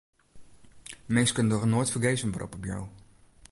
Minsken dogge noait fergees in berop op jo.